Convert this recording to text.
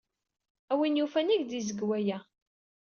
A win yufan, ad ak-d-yezg wa.